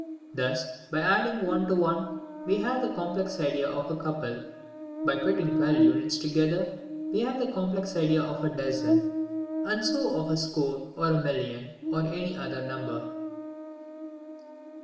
Thus, by adding one to one, we have the complex idea of a couple; by putting twelve units together we have the complex idea of a dozen; and so of a score or a million, or any other number.